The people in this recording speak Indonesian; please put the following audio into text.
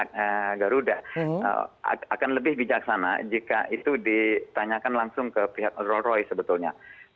jadi yang menjadi pertanyaan pihak garuda akan lebih bijaksana jika itu ditanyakan langsung ke pihak roro sebetulnya